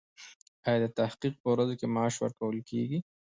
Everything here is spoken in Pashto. ایا د تحقیق په ورځو کې معاش ورکول کیږي؟